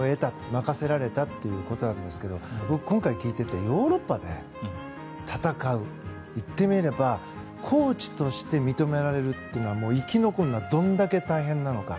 任せられたということなんですが僕、今回聞いていてヨーロッパで戦う言ってみればコーチとして認められる生き残るのはどれだけ大変なのか。